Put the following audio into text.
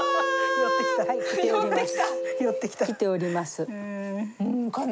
寄ってきた。来ております。